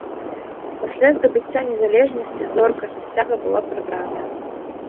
Пасля здабыцця незалежнасці зорка са сцяга была прыбраная.